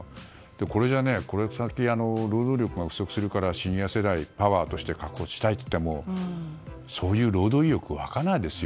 これではこの先、労働力が不足するからシニア世代、パワーとして確保したいといっても労働意欲が湧かないですよ。